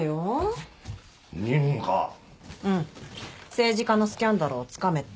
政治家のスキャンダルをつかめって。